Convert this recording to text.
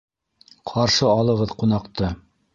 Ҡаршы алығыҙ ҡунаҡты!!!